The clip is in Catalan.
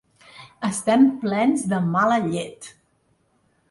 Estem plens de mala llet.